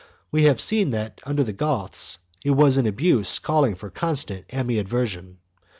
We have seen that under the Goths it was an abuse calling for constant animadversion.